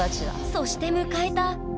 そして迎えたひ。